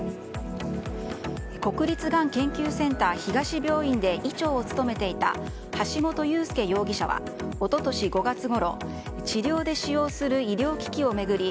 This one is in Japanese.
国立がん研究センター東病院で医長を務めていた橋本裕輔容疑者は一昨年５月ごろ治療で使用する医療機器を巡り